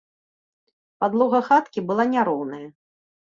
Падлога хаткі была няроўная.